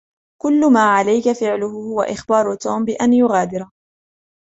كل ما عليك فعله هو إخبار توم بأن يغادر.